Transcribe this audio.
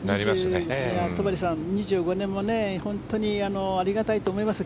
戸張さん、２５年も本当にありがたいと思います。